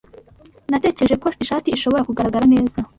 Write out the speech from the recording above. Natekereje ko ishati ishobora kugaragara neza.